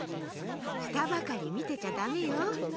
したばかりみてちゃダメよ。